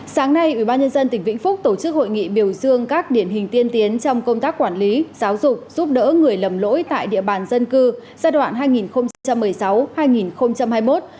sáng nay ubnd tỉnh vĩnh phúc tổ chức hội nghị biểu dương các điển hình tiên tiến trong công tác quản lý giáo dục giúp đỡ người lầm lỗi tại địa bàn dân cư giai đoạn hai nghìn một mươi sáu hai nghìn hai mươi một